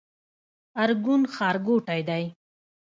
ارګون ښارګوټی دی؟